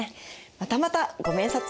またまたご明察！